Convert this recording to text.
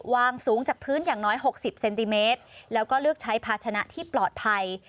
วางสูงจากพื้นอย่างน้อย๖๐เซนติเมตรแล้วก็เลือกใช้ภาชนะที่ปลอดภัย